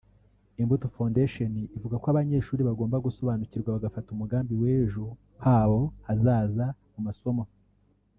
Imbuto Foundation ivuga ko abanyeshuri bagomba gusobanukirwa bagafata umugambi w’ejo habo hazaza mu masomo